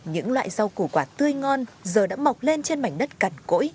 những loại rau củ quả tươi ngon giờ đã mọc lên trên mảnh đất cằn cỗi